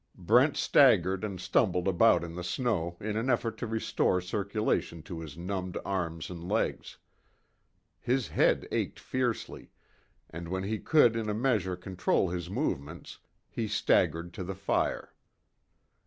Brent staggered and stumbled about in the snow in an effort to restore circulation to his numbed arms and legs. His head ached fiercely, and when he could in a measure control his movements, he staggered to the fire.